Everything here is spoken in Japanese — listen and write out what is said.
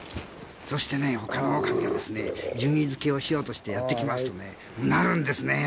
そして、他のオオカミは順位付けをしようとしてやってきますとうなるんですね。